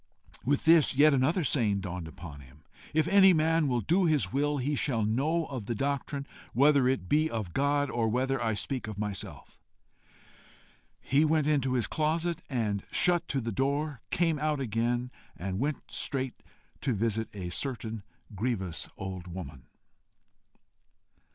With this, yet another saying dawned upon, him: IF ANY MAN WILL DO HIS WILL, HE SHALL KNOW OF THE DOCTRINE, WHETHER IT BE OF GOD, OR WHETHER I SPEAK OF MYSELF. He went into his closet and shut to the door came out again, and went straight to visit a certain grievous old woman.